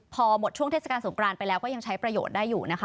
พอหมดช่วงเทศกาลสงกรานไปแล้วก็ยังใช้ประโยชน์ได้อยู่นะคะ